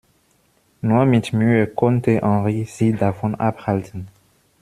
Nur mit Mühe konnte Henry sie davon abhalten.